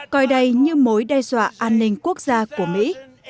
coi đây như mối đe dọa an ninh quốc gia của mỹ